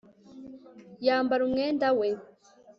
yambara umwenda we